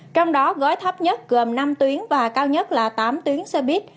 trong đó gói thấp nhất gồm năm tuyến và cao nhất là tám tuyến xe buýt